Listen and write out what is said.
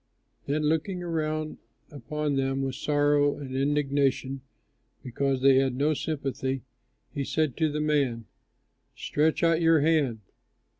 Then looking around upon them with sorrow and indignation because they had no sympathy, he said to the man, "Stretch out your hand."